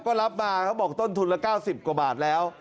ก็รับมาเขาบอกต้นทุนละ๙๐กว่าบาทแล้ว